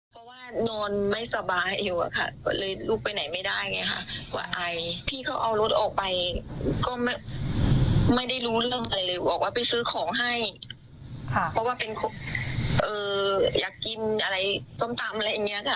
กินอะไรส้มปั๊มอะไรอย่างนี้ค่ะ